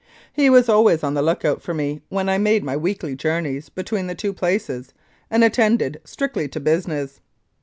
He was always on the look out for me when I made my weekly journeys between the two places, and attended strictly to business.